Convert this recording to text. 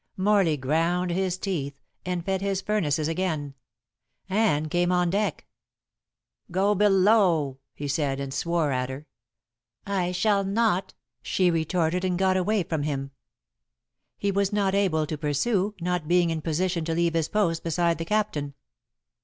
Morley ground his teeth, and fed his furnaces again. Anne came on deck. "Go below!" he said, and swore at her. "I shall not," she retorted, and got away from him. He was not able to pursue, not being in position to leave his post beside the captain.